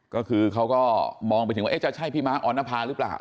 ก็คือเขาก็มองไปถึงว่าจะใช่พี่ม้าออนภาหรือเปล่า